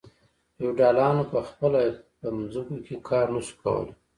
فیوډالانو په خپله په ځمکو کې کار نشو کولی.